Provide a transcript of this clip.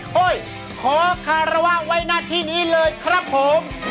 ขอคารวะไว้หน้าที่นี้เลยครับผม